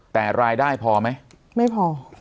แต่รายได้พอไหมไม่พอ